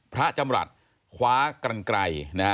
พระจำรัฐคว้ากันไกล